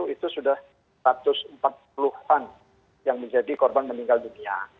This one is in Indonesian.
itu sudah satu ratus empat puluh an yang menjadi korban meninggal dunia